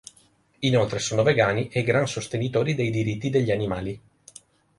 Inoltre sono vegani e gran sostenitori dei diritti degli animali.